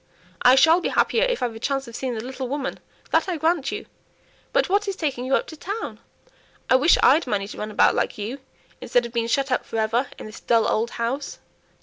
"I shall be happier if I've a chance of seeing the little woman, that I grant you. But what is taking you up to town? I wish I'd money to run about like you, instead of being shut up for ever in this dull old house."